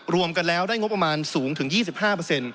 รวมกันแล้วได้งบประมาณสูงถึง๒๕